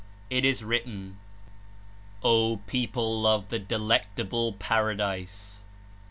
It is written: "O People of the Delectable Paradise!